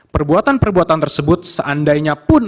perbuatan perbuatan tersebut seandainya pun